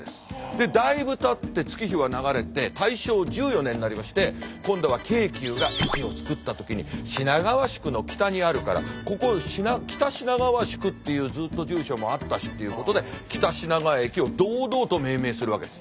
でだいぶたって月日は流れて大正１４年になりまして今度は京急が駅を造った時に品川宿の北にあるからここ北品川宿っていうずっと住所もあったしっていうことで北品川駅を堂々と命名するわけです。